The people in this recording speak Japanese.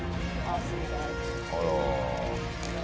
あら。